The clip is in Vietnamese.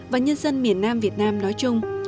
và nhân dân miền nam việt nam nói chung